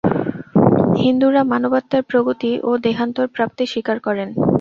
হিন্দুরা মানবাত্মার প্রগতি এবং দেহান্তর-প্রাপ্তি স্বীকার করেন।